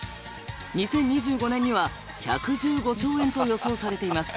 ２０２５年には１１５兆円と予想されています。